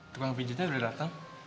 tukang pijitnya udah dateng